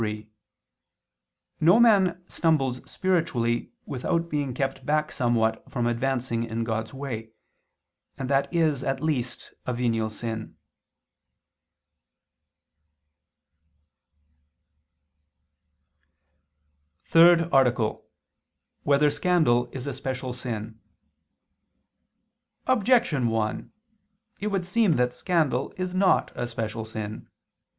3: No man stumbles spiritually, without being kept back somewhat from advancing in God's way, and that is at least a venial sin. _______________________ THIRD ARTICLE [II II, Q. 43, Art. 3] Whether Scandal Is a Special Sin? Objection 1: It would seem that scandal is not a special sin.